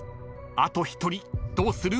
［あと１人どうする？］